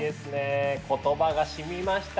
言葉がしみましたね。